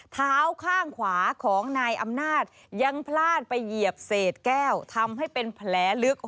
เท้าข้างขวาของนายอำนาจยังพลาดไปเหยียบเศษแก้วทำให้เป็นแผลลึก